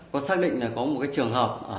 có xác định là có một trường hợp